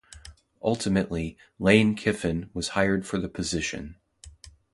Ultimately, Lane Kiffin was hired for the position.